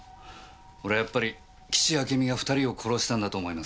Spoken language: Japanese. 俺はやっぱり岸あけみが２人を殺したんだと思います。